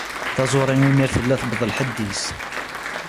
Taẓuri imir tella tewweḍ lḥedd-is.